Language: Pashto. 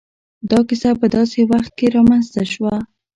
دا کيسه په داسې وخت کې را منځ ته شوه.